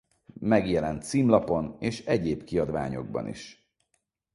Megjelent címlapon és egyéb kiadványokban is.